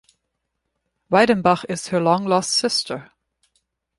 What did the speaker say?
Weidenbach is her long-lost sister.